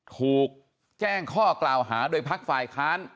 ถูกแจ้งข้อกล่าวหาโดยพักฝ่ายค้าน